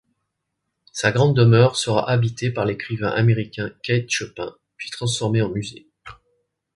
Sa grande demeure sera habitée par l'écrivain américain Kate Chopin, puis transformée en musée.